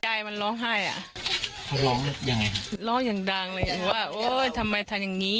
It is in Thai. ยายมันร้องไห้อ่ะเขาร้องยังไงร้องอย่างดังเลยว่าโอ้ยทำไมทำอย่างงี้